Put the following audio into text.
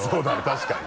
確かに。